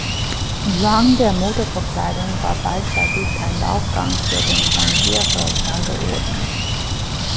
Entlang der Motorverkleidung war beidseitig ein Laufgang für den Rangierer angeordnet.